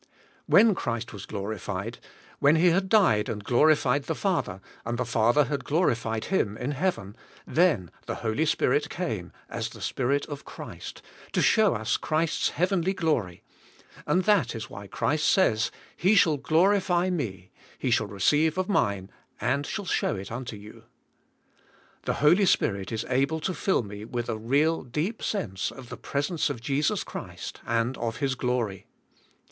When Christ was glorified, when He had died and glorified the Father, and the Father had glorified Him in heaven, then the Holy Spirit came as the Spirit of Christ to show us Christ's heavenly glory, and that is why Christ says, "He shall glorify Me; He shall receive of mine, and shall shew it unto you." The Holy Spirit is able to fill me with a real deep sense of the presence of Jesus Christ and of His glory.